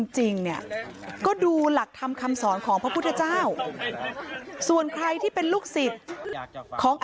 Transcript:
จริงเนี่ยก็ดูหลักธรรมคำสอนของพระพุทธเจ้าส่วนใครที่เป็นลูกศิษย์ของ